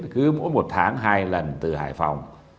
cứ mỗi một tháng hai lần từ hải phòng